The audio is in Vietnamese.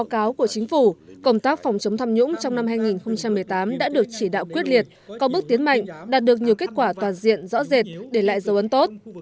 báo cáo của chính phủ công tác phòng chống tham nhũng trong năm hai nghìn một mươi tám đã được chỉ đạo quyết liệt có bước tiến mạnh đạt được nhiều kết quả toàn diện rõ rệt để lại dấu ấn tốt